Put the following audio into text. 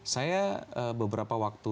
saya beberapa waktu